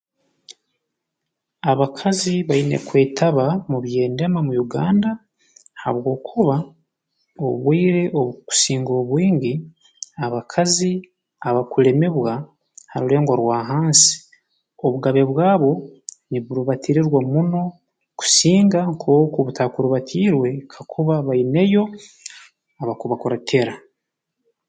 Abakazi baine kwetaba mu by'endema mu Uganda habwokuba obwire obukusinga obwingi abakazi abakulemebwa ha rulengo rwa hansi obugabe bwabo niburubatirirwa muno kusinga nkooku butaakurubatibwe kuba baineyo abakubakuratira